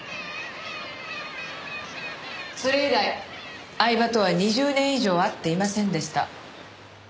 それ以来饗庭とは２０年以上会っていませんでした。